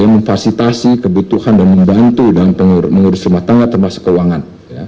memfasilitasi kebutuhan dan membantu dalam mengurus rumah tangga termasuk keuangan